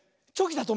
「チョキ！」。